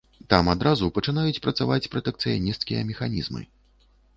Там адразу пачынаюць працаваць пратэкцыянісцкія механізмы.